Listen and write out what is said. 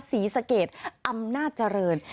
สีสเกรสอำนาจเจริญ